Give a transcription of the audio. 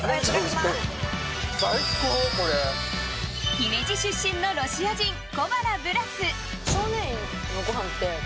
姫路出身のロシア人小原ブラス。